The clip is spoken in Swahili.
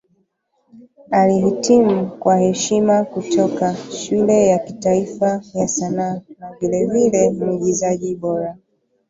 Alihitimu kwa heshima kutoka Shule ya Kitaifa ya Sanaa na vilevile Mwigizaji Bora.